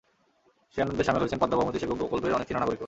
সেই আনন্দে শামিল হয়েছেন পদ্মা বহুমুখী সেতু প্রকল্পের অনেক চীনা নাগরিকও।